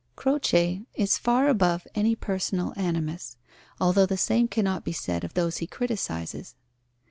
Croce is far above any personal animus, although the same cannot be said of those he criticizes.